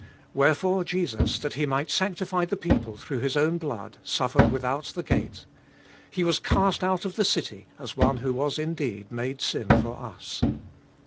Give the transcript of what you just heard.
Wherefore Jesus, that He might sanctify the people through His own blood, suffered without the gate. He was cast out of the city, as one who was indeed made sin for us.